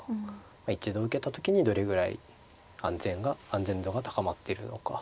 一度受けた時にどれぐらい安全度が高まってるのか。